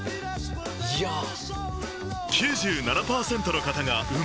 ⁉いやぁ。